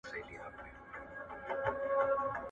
جنګي ټپیان چېري وړل کیږي؟